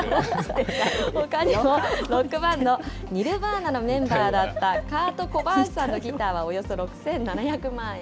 ほかにもロックバンド、ニルヴァーナのメンバーだったカート・コバーンさんのギターはおよそ６７００万円。